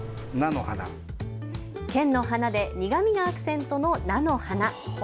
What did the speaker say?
県の花で苦みがアクセントの菜の花。